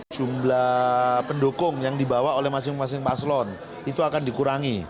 jumlah pendukung yang dibawa oleh masing masing paslon itu akan dikurangi